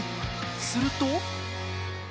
すると。